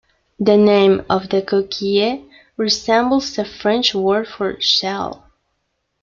The name of the Coquille resembles the French word for "shell".